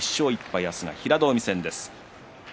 明日は平戸海戦です。